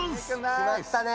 きまったね！